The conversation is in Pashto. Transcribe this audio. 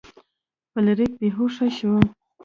فلیریک بې هوښه شو.